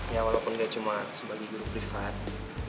ya walaupun gak cuma sebagai guru privat